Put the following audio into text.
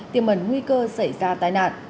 tiềm mần nguy cơ xảy ra tai nạn